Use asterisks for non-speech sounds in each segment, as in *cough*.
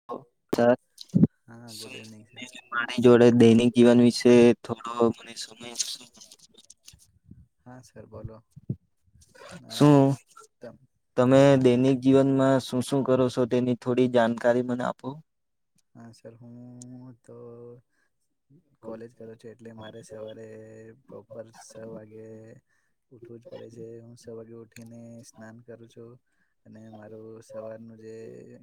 *unintelligible* મારી જોડે દૈનિક જીવન વિશે થોડો મને સમય જશે હા સર બોલો શું તમે *unintelligible* દૈનિક જીવનમાં શું શું કરો છો તેની થોડી જાણકારી મને આપો આજકાલ હું તો કોલેજ કરો છો એટલે મારે સવારે પ્રોપર છ વાગે ઉઠવું જ પડે છે હું સવારે ઉઠીને સ્નાન કરું છું અને મારું સવારનું જે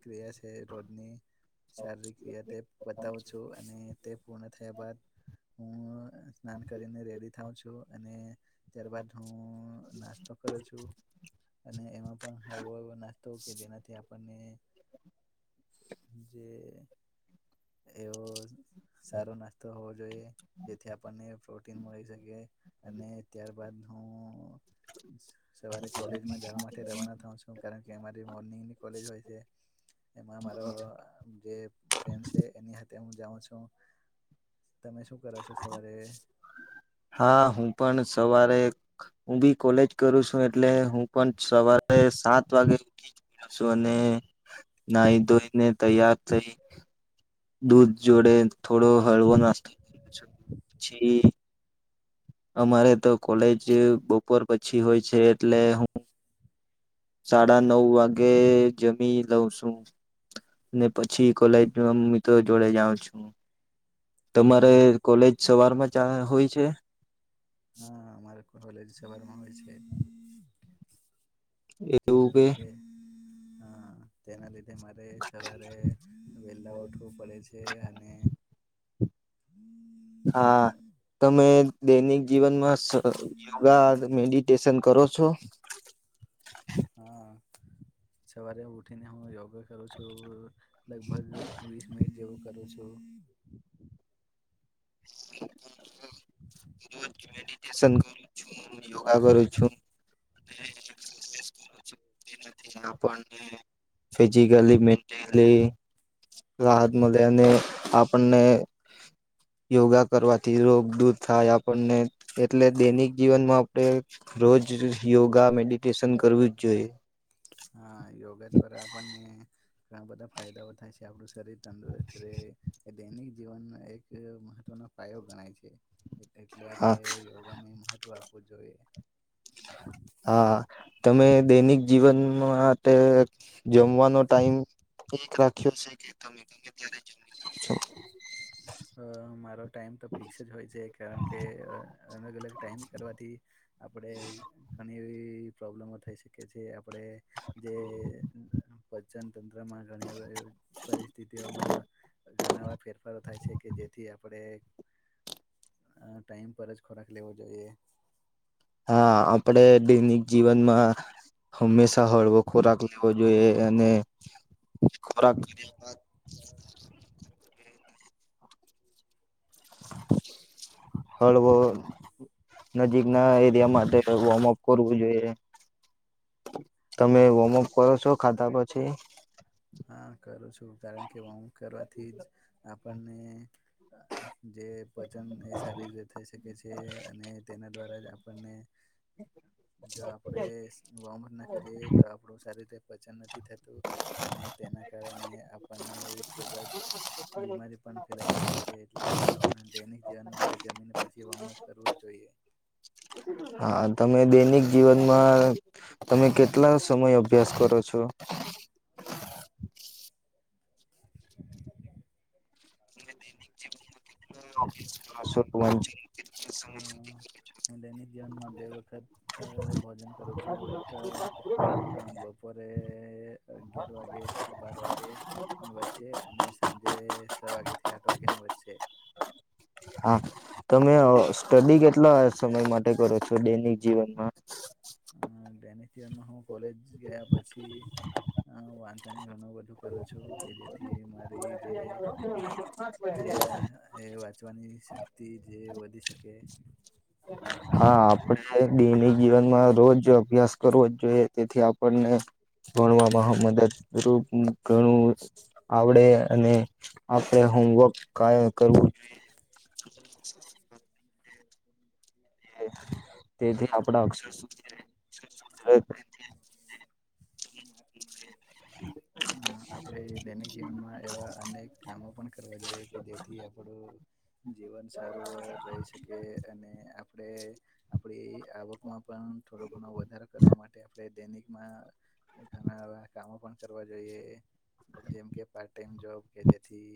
ક્રિયા છે રોડની શારીરિક ક્રિયા તે પતાવું છું અને તે પૂર્ણ થયા બાદ હું સ્નાન કરીને રેડી થાઉં છું અને ત્યાર બાદ હું નાસ્તો કરું છું. અને એમાં પણ હળવો એવો નાસ્તો કે જેનાથી આપણને જે એવો સારો નાસ્તો હોવો જોઈએ જેથી આપણને ફ્રૂટ તે મળી શકે અને ત્યારબદ હું સવારે કોલેજમાં જવા માટે રવાના થાઉ છું. શું કારણ કે અમારી મોર્નિંગની કોલેજ હોય છે એમાં અમારો જે ફ્રેન્ડ છે એની હાથે હું જાઉ છું. તમે શું કરો છો સવારે? હા હું પણ સવારે હું બી કોલેજ કરું છું એટલે હું પણ સવારે સાત વાગે ઊ શું અને નાહી ધોઈને તૈયાર થઈ દૂધ જોડે થોડો હળવો નાસ્તો કર પછી અમારે તો કોલેજ બપોર પછી હોય છે એટલે હું સાડા નવ વાગે જમી લઉં છું. ને પછી કોલેજના મિત્રો જોડે જાઉં છું. તમારે હમ કોલેજ સવારમાં જાવા હોય છે? હા અમારે કોલેજ સવાર માં હોય છે. એવું જેના કે લીધે હ તેના લીધે મારે સવારે વેલા ‌ઊઠવું પડે છે અને હા તમે દૈનિક જીવનમાં સ યોગા મેડિટેશન કરો છો? હા સવારે ઉઠી ને હું યોગ કરું છું લગભગ વીસ મિનિટ જેવું કરું છું. રજ મેડિટેન કરું છું યોગા કરું છું. *unintelligible* તેના આપને ફિજિકલી મેન્ટલી રા મળે અને આપણને યોગા કરવા થી રોગ દૂર થાય આપણને એટલે દૈનિક જીવનમાં આપણે રોજ યોગા મેડિ સ્ટેશન કરવું જ જોઈએ. હા યોગા દ્વારા આપણને ઘણા બધા ફાયદાઓ થાય છે. એ આપણું શરીર તંદુરસ્ત રહે એ દૈનિક જીવનનો એક મહત્વનો પાયો ગણાય છે. એટલે હા. આપણેે યોગાને મહત્વ આપવું જોઈએ. હા તમે દૈનિક જીવન માંટે જમવાનો ટાઈમ એક રાખ્યો છે કે તમે ગમે ત્યારે જમી લો છો? અ મારો ટાઈમ તો ફિક્સ જ હોય છે, કારણ કે અલગ- અલગ ટાઈમ કરવાથી આપડે અણી એવી પ્રોબ્લેમો થઈ શકે છે, આપડે જે જનતંત્રમાં ઘણી હવે પરિસ્થિતિઓમાં ઘણા એવા ફેરફારો થાય છે, કે જેથી આપણે અ ટાઈમ પર જ ખોરાક લેવો જોઈએ. હા આપડે દૈનિક જીવનમાં હંમેશા હળવો ખોરાક લેવો જોઈએ અને ખોરાક લ્યા બાદ હળવો નજીક ના એરિયા માટે વોર્મઅપ કરવું જોઈએ, તમે હા વોર્મઅપ કરો છો ખાધા પછી? હા કરું છું, કારણ કે વોર્મઅપ કરવાથી જ આપણને જે પચન એ સારી રીતે થઈ શકે છે અને તેના દ્વારા જ આપણ ને જો આપડે વોમ ના કરીએ તો આપડું સારી રીતે પચન નથી થતું અને તેના કારણે આપણને ખુબ જ બીમારી પણ ફેલાઈ શકે છે, એટલે હા દૈનિક જીવનમાં આપડણે જમી ને પછી વોર્મઅપ કરવું જ જોઈએ. હા તમે દૈનિક જીવનમાં તમે કેટલા સમય અભ્યાસ છો? *inaudible* *inaudible* *inaudible* *inaudible* હ હું દૈનિક જીવનમાં બે વખત ત ભોજન કરું છું, એક ત અ બપોરે અગિયાર વાગે કા તો બાર વાગે ની વચ્ચે અને સાંજે છ વાગે થી આઠ વાગે ની વચ્ચે. હા તમે સ્ટડી કેટલા સમય માટે કરો છો દૈનિક જીવનમા? અ દૈનિક માં હું કોલેજ ગયા પછી વાંચન ઘણું બધું કરું છું, કે જેથી મારી જે ક્રિયા એ વાંચવાની શક્તિ જે વધી શકે? હા, આપણે દૈનિક જીવનમાં રોજ અભ્યાસ કરવો જ જોઈએ, તેથી આપણને ભણવામાં મદદરૂપ ઘણું આવડે અને આપણે હોમવર્ક કાયમ કરવું જ જોઈએ. *inaudible* તેથી આપડા અક્ષર સુધરે *inaudible* *inaudible* હા આપડ દૈનિક જીવનમાં એવા અનેક કામો પણ કરવા જોઈએ કે જેથી આપડું જીવન સારું રહી શકે અને આપણે આપડી આવક માં પણ થોડો ઘણો વધારો કરવા માટે આપણે દૈનિકમાં ઘણા એવા કામો પણ કરવા જોઈએ. જેમ કે પાર્ટ ટાઈમ જોબ કે જેથી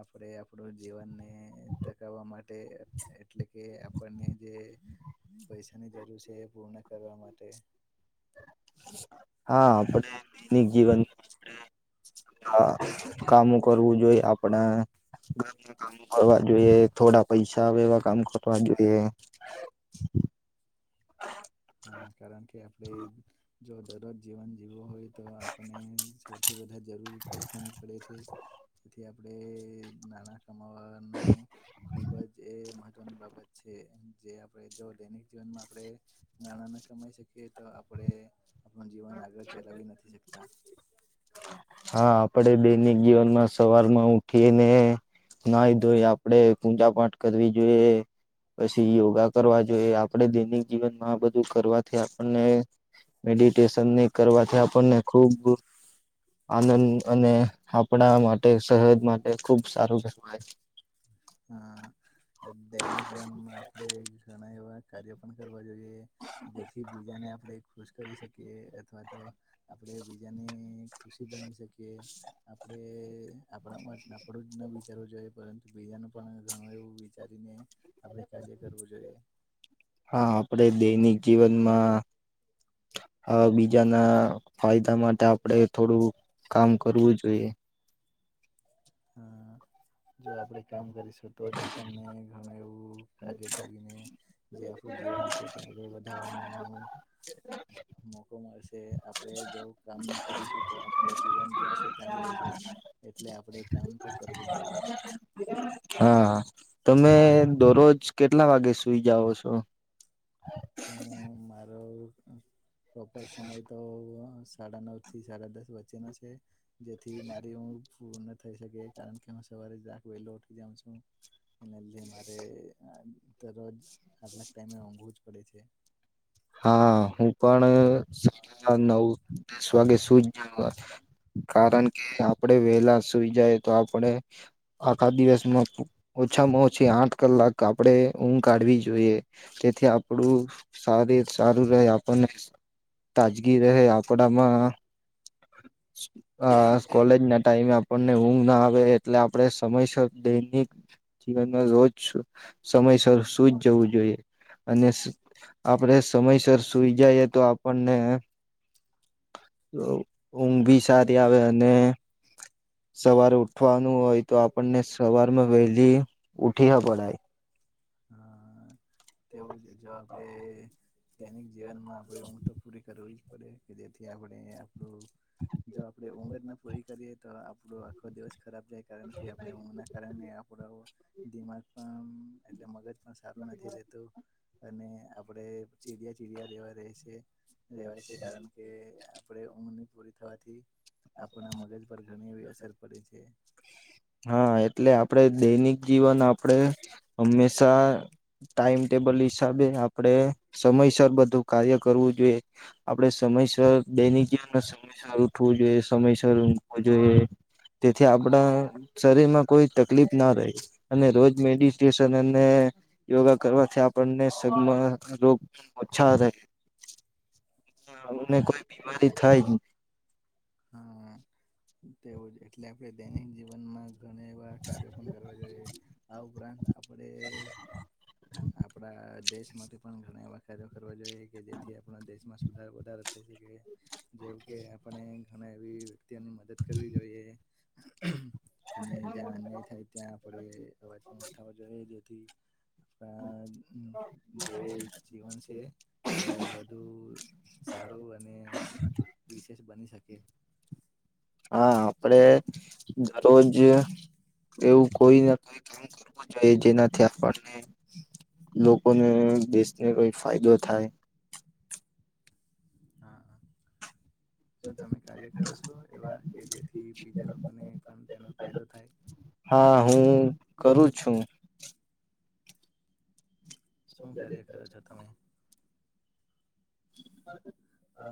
આપણે આપણું જીવનને ને ટકાવવા માટે એટલે કે આપણને જે પૈસા ની જરૂર છે એ પૂર્ણ કરવા માટે હા આપને દૈનિક જીવન હા કામો કરવું જોઈએ આપણે ગામ ના કામો કરવા જોઈએ થોડા પૈસા આવે એવા કામ કરવા જોઈએ. હા. હા કારણ કે આપડે જો દરરોજ જીવન જીવો હોય તો આપને સૌથી વધાર જરૂર પૈસાની પડે છે. તેથી આપડણે નાણા કમાવાનું ખુબ જ એ મહત્વની બાબત છે. છે જે આપણે જો દૈનિક જીવનમાં આપણે નાણાં ના કમાઈ શકીએ તો આપડે આપણ જીવન આગળ ચલાવી નથી શકતા. હા આપડે બેનિક જીવનમાં સવાર માં ઉઠીને નાઈ ધોઈ આ આપડે પૂજા પાઠ કરવી જોઈએ પછી યોગા કરવા જોઈએ આપડે દૈનિક જીવન આ બધું કરવાથી આપણને મેડિટેશનની કરવાથી આપણને ખુબ આનંદ અને આપણા માટે સહદ માટે ખુબ સારું કહેવાય. હા દૈનિક જીવનમાં આપણેે ઘણા એવા કાર્યો પણ કરવા જોઈએ. જેથી બીજાને આપડે ખુશ કરી શકીએ અથવા તો આપણેે બીજાને ખુશી બની શકીએ. આપડે આપણા માટે આપણું જ ના વિચારવું જોઈએ પરંતુ બીજાનું પણ ઘણું એવું વિચારીને આપડે કાર્ય કરવું જોઈએ. હા આપડે દૈનિક જીવનમાં હ બીજાના ફાયદા માટે આપડે થોડું કામ કરવું જોઈએ. હા જો આપણેે કામ કરીશું તો જ આપણને ઘણું એવું કાર્ય કરીને જે આપણું જીવન છે તે આગળ વધારવાનું મોકો મળશે આપ આપણે જો કામ ન કરીશું તો આપડે જીવન જ્યાં છે ત્યાં જ રહેશે એટલે આપડે કામ તો કરવું જોઈએ. હા તમે દરરોજ કેટલા વાગે સુઈ જાઓ છો? હું મારો પ્રોપર સમય તો તોવા સાડા નવ થી સાડા દસ વચ્ચેનો છે. જેથી મારી હુગ પૂર્ણ થઈ શકે કારણ કે હું સવારે જાક વેલો ઉઠી જાવ છું. એના લીધે મારે આ તરરોજ આટલાક ટાઈમે ઉંઘવું જ પડે છે. હા હું પણ સા *inaudible* નવ દસ વાગે સુુંઈજ જાઉ કારણ કે આપડે વેલા સુઈ જાયે તો આપડે આખા દિવસમાં ઓછામાં ઓછી આઠ કલાક આપડે ઊઘ કાઢવી જોઈએ તેથી આપડું સારી સારું રહે આપણને તાજગી રહે આપડામાં આ કોલેજ ના ટાઈમે આપ આપણને ઊંઘ ના આવે એટલે આપડે સમયસર દૈનિક જીવનમાં રોજ સમયસર સુઈજ જવું જોઈએ અને આપડે સમયસર સુઈ જઈએ તો આપણને *inaudible* ઊંઘ ભી સારી આવે અને સવારે ઉઠવાનું હોય તો આપણને સવારમાં વહેલી ઉઠી હો પડાય હા, તેવું જે જો આપડે દૈનિક જીવનમાં આપડે ઊઘ તો પૂરી કરવી પડે કે જેથી આપડે આપડુ જો આપડે ઊઘ જ ના પૂરી કરીએ તો આપડો આખો દિવસ ખરાબ જાય કારણ કે આપણે ઊંઘના કારણે આપરો દિમાગ પણ એટલે મગજ સારું નથી રેતું અને આપડે ચીડિયા ચીડિયા જેવા રેવાય છે. રેવાય છે કારણ કે આપડે ઊંઘની પૂરી થવાથી આપણાના મગજ પર ઘણી એવી અસર પડે છે. હા એટલે આપડે દૈનિક જીવન આપડે હંમેશા ટાઈમ ટેબલ હિસાબે આપડે સમયસર બધું કાર્ય કરવું જોઈએ. આપડે સમયસર દૈનીક જીવનમા સમયસર ઉઠવું જોઈએ. સમયસર ઊઘવુ જોઈએ, તેથી આપડા શરીર માં કોઈ તકલીફ ના રહે. અને રોજ મેડિટેશન અને યોગા કરવાથી આપણને સગમાં રોગ ઓછા આવે કે *inaudible* *inaudible* એમ ને કોઈ બીમારી થાય નઈ. હા તેવું જ એટલે આપડે દૈનિક જીવનમાં ઘણી વાર કાર્યો પણ કરવા જોઈએ. આ ઉપરાંત આપડે આપડા દેશ માટે પણ ઘણા એવા કાર્યો કરવા જોઈએ કે જેથી આપણા દેશમાં સુધાર વધારા થઈ શકે, જેમ કે આપણે ઘણા એવી વ્યક્તિઓની મદદ કરવી જોઈએ. અને જ્યાં અન્યાય થાય ત્યાં આપડે અવાજ પણ ઉઠાવવો જોઈએ. જેથી *inaudible* *inaudible* પણા જે જ જીવન છે વધુ સારું અને વિશેષ બની શકે. હા આપડે રોજ એવું કોઈ નથી કે, બચાયે જેનાથી આપણને, લોકોને, દેશને કઈક ફાયદો થાય. *inaudible* હા, શું તમે કાર્ય કરો છો એવા કે જેથી બીજા લોકોને પણ તેનો ફાયદો થાય? હા હું કરું છું. શું કાર્ય કરો છો તમે? *inaudible* *inaudible* *unintelligible* અ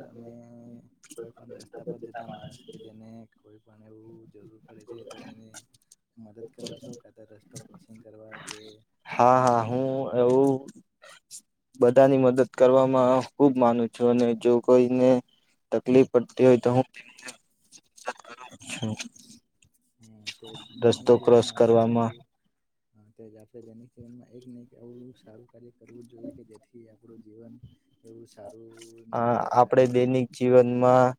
તમે કોઈ પણ રસ્તા પર જતા માણસ કે જેને કોઈ પણ એવું જરૂર પડે છે તો તેને મદદ કરો છો કાતો રસ્તો ક્રોસિંગ કરવા જે હા હા હું એવું બધાની મદદ કરવામાં ખુબ માનું છું અને જો કોઈને તકલીફ પડતી હોય તો હું *inaudible* *inaudible* હમ તે રસ્તો દૈનિક ક્રોસ જીવનમાં આપડે કરવામાં આવું તેજ આપણે દૈનિક જીવનમાં એક ને એક એ સારું કાર્ય કરવું જ જોઈએ કે જેથી આપણું જીવન એવું સારું આ નીવડે આપણે અને દૈનિક જીવનમાં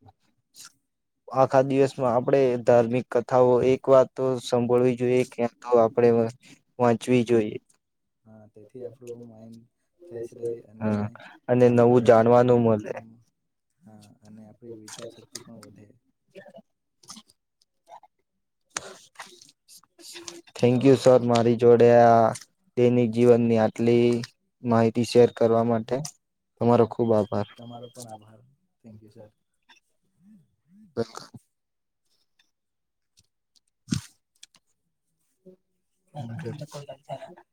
આખા દિવસમાં આપણે ધાર્મિક કથાઓ એક વાત તો સંભોળવી જોઈએ ક્યાં તો આપણે વાંચવી જોઈએ હા તેથી આપડું હું માઈન થઈ શકે અને હા અને આપણે નવું જાણવાનું મળે હમ્મ. હા અને આપડી વિચાર શક્તિ પણ વધે તો થેન્ક યુ સર મારી જોડે આ તેની જીવનની આટલી માહિતી શેર કરવા માટે તમારો હા ખુબ આભાર. તમારો પણ થેન્ક યુ સર. હમ્મ *unintelligible* *unintelligible*